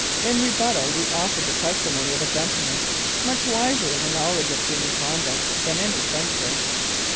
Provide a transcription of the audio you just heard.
In rebuttal we offer the testimony of a gentleman much wiser in the knowledge of human conduct than any censor.